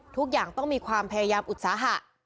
ทุกอย่างต้องมีความพยายามอุตสาหะ